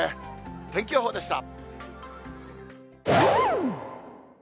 天気予報でした。